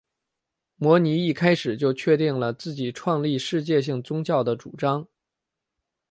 摩尼一开始就确定了自己创立世界性宗教的主张。